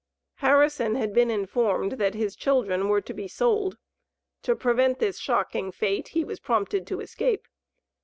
Harrison had been informed that his children were to be sold; to prevent this shocking fate, he was prompted to escape.